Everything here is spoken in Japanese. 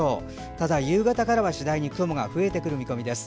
ただ夕方からは次第に雲が増えてくる見込みです。